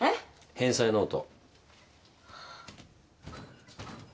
返済ノート。